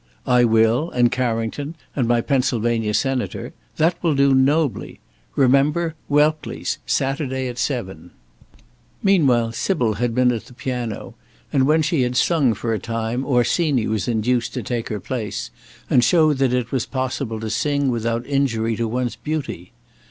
"I will, and Carrington, and my Pennsylvania Senator. That will do nobly. Remember, Welckley's, Saturday at seven." Meanwhile Sybil had been at the piano, and when she had sung for a time, Orsini was induced to take her place, and show that it was possible to sing without injury to one's beauty.